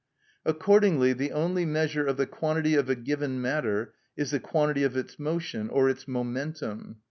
Accordingly the only measure of the quantity of a given matter is the quantity of its motion, or its momentum.